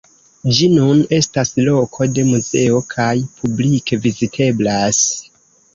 Ĝi nun estas loko de muzeo, kaj publike viziteblas.